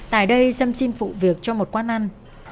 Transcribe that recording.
tại đây sâm xin phụ việc cho một quán ăn